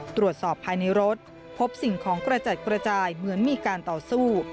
ตรวจสอบภายในรถพบสิ่งของกระจัดกระจายเหมือนมีการต่อสู้